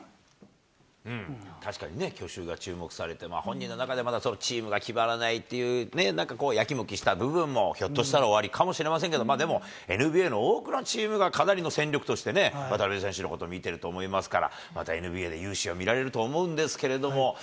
確かにね、去就が注目されて、本人の中でまだチームが決まらないというね、なんか、やきもきした部分もひょっとしたらおありかもしれませんけれども、でもＮＢＡの多くのチームがかなりの戦力として渡邊選手のことを見てると思いますから、またＮＢＡで雄姿を見られると思うんですけれども。